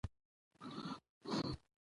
افغانستان د باران له امله شهرت لري.